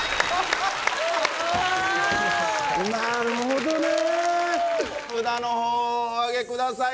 なるほどね札のほうをおあげください